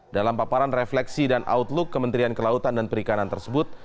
dalam paparan refleksi dan outlook kementerian kelautan dan perikanan tersebut